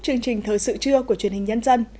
chương trình thời sự trưa của truyền hình nhân dân